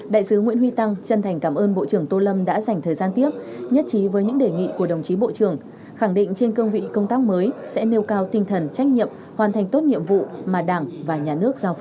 đại sứ nguyễn huy tăng chân thành cảm ơn bộ trưởng tô lâm đã dành thời gian tiếp nhất trí với những đề nghị của đồng chí bộ trưởng khẳng định trên cương vị công tác mới sẽ nêu cao tinh thần trách nhiệm hoàn thành tốt nhiệm vụ mà đảng và nhà nước giao phó